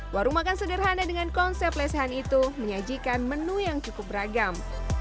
warung makan sederhana dengan konsep lesehan itu menyajikan menu yang cukup beragam